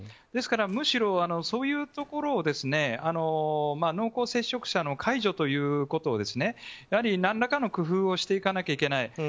ですから、むしろそういうところを濃厚接触者の解除ということを何らかの工夫をしていかなきゃいけない。